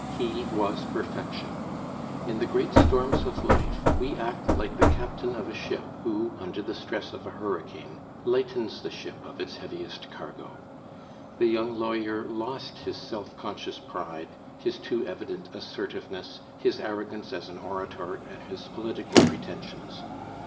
He was perfection. In the great storms of life we act like the captain of a ship who, under the stress of a hurricane, lightens the ship of its heaviest cargo. The young lawyer lost his self conscious pride, his too evident assertiveness, his arrogance as an orator and his political pretensions.